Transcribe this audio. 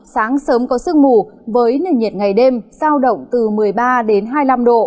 sáng sớm có sương mù với nền nhiệt ngày đêm giao động từ một mươi ba đến hai mươi năm độ